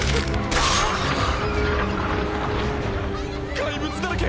怪物だらけ！！